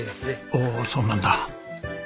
おおっそうなんだ。